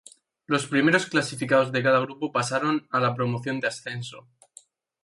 Los primeros clasificados de cada grupo pasaron a la promoción de ascenso.